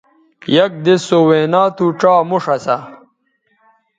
یک دِس سو وینا تھو ڇا موݜ اسا